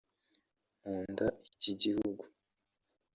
nkunda iki gihugu